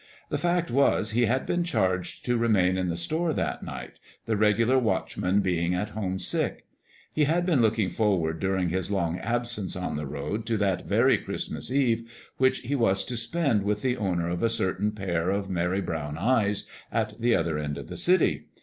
The fact was, he had been charged to remain in the store that night, the regular watchman being at home sick. He had been looking forward during his long absence on the road to that very Christmas Eve, which he was to spend with the owner of a certain pair of merry brown eyes, at the other end of the city.